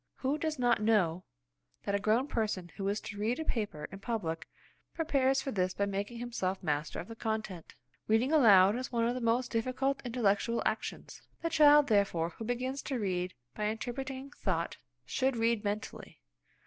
Who does not know that a grown person who is to read a paper in public prepares for this by making himself master of the content? Reading aloud is one of the most difficult intellectual actions. The child, therefore, who begins to read by interpreting thought should read mentally.